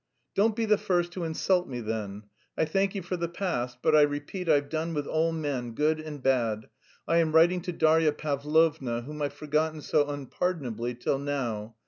"Don't be the first to insult me then. I thank you for the past, but I repeat I've done with all men, good and bad. I am writing to Darya Pavlovna, whom I've forgotten so unpardonably till now.